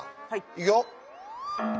いくよ。